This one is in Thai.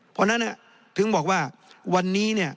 เพราะฉะนั้นถึงบอกว่าวันนี้เนี่ย